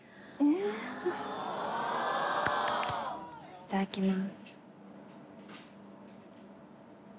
いただきます。